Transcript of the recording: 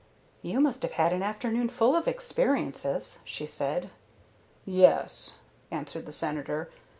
"You must have had an afternoon full of experiences," she said. "Yes," answered the Senator.